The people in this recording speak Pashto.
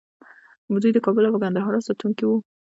دوی د کابل او ګندهارا ساتونکي وو